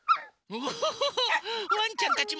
ワンちゃんたちも？